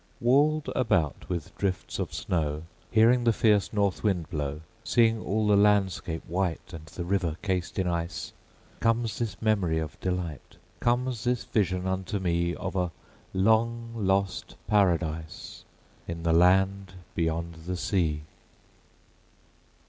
Walled about with drifts of snow, Hearing the fierce north wind blow, Seeing all the landscape white, And the river cased in ice, Comes this memory of delight, Comes this vision unto me Of a long lost Paradise In the land beyond the sea.